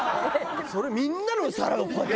それみんなの皿をこうやって。